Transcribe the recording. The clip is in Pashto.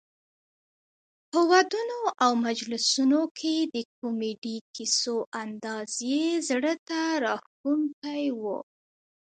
په ودونو او مجلسونو کې د کمیډي کیسو انداز یې زړه ته راښکوونکی وو.